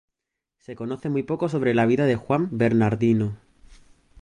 Se conoce muy poco sobre la vida de Juan Bernardino.